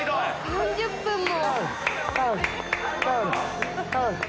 ３０分も！